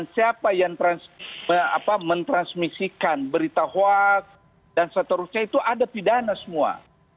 siapa yang mentransmisikan berita hoak dan seterusnya itu ada pidana semua